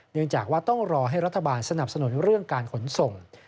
เนื่องจากว่าต้องรอให้รัฐบาลสนับสนุนเรื่องการขนส่ง